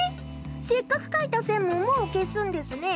せっかく書いた線ももう消すんですね。